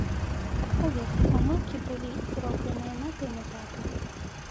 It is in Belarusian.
Адпаведна, памылкі былі зробленыя на тым этапе.